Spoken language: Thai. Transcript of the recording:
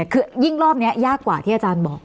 คือยิ่งรอบนี้ยากกว่าที่อาจารย์บอก